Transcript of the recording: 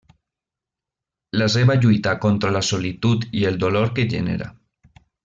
La seva lluita contra la solitud i el dolor que genera.